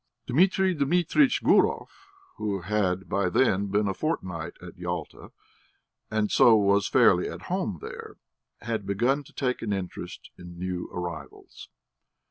Dmitri Dmitritch Gurov, who had by then been a fortnight at Yalta, and so was fairly at home there, had begun to take an interest in new arrivals.